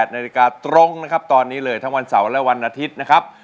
นาฬิกาตรงนะครับตอนนี้เลยทั้งวันเสาร์และวันอาทิตย์นะครับ